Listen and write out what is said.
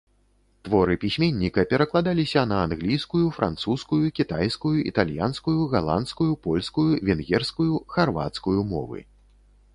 Творы пісьменніка перакладаліся на англійскую, французскую, кітайскую, італьянскую, галандскую, польскую, венгерскую, харвацкую мовы.